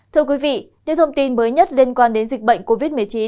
thưa quý vị những thông tin mới nhất liên quan đến dịch bệnh covid một mươi chín